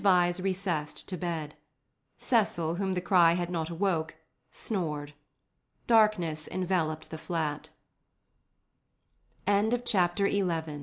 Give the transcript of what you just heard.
Vyse recessed to bed. Cecil, whom the cry had not awoke, snored. Darkness enveloped the flat. Chapter XII Twelfth Chapter It wa